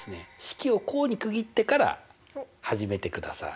式を項に区切ってから始めてください。